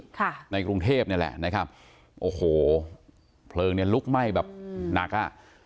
ค่ะในกรุงเทพนี่แหละนะครับโอ้โหเพลิงเนี้ยลุกไหม้แบบหนักอ่ะ